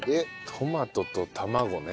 トマトと卵ね。